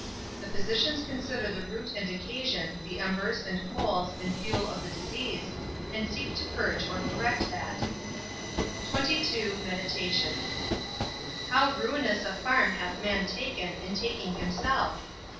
_The physicians consider the root and occasion, the embers, and coals, and fuel of the disease, and seek to purge or correct that._ XXII. MEDITATION. How ruinous a farm hath man taken, in taking himself!